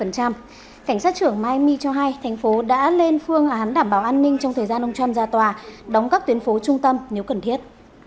cảnh sát trưởng milemi cho hay thành phố đã lên phương án đảm bảo an ninh trong thời gian ông trump ra tòa đóng các tuyến phố trung tâm nếu cần thiết